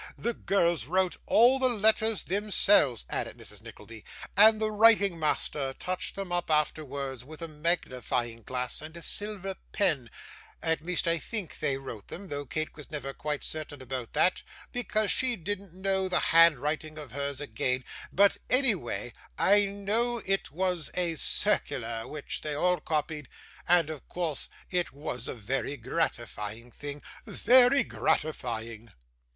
The girls wrote all the letters themselves,' added Mrs. Nickleby, 'and the writing master touched them up afterwards with a magnifying glass and a silver pen; at least I think they wrote them, though Kate was never quite certain about that, because she didn't know the handwriting of hers again; but anyway, I know it was a circular which they all copied, and of course it was a very gratifying thing very gratifying.